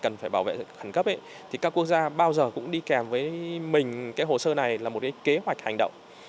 cần phải bảo vệ khẩn cấp các quốc gia bao giờ cũng đi kèm với mình hồ sơ này là một kế hoạch hành động